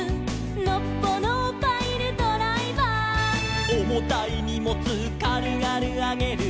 「のっぽのパイルドライバー」「おもたいにもつかるがるあげる」